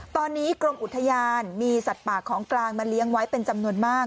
ตอนนี้กรมอุทยานมีสัตว์ป่าของกลางมาเลี้ยงไว้เป็นจำนวนมาก